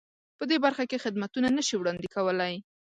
په دې برخه کې خدمتونه نه شي وړاندې کولای.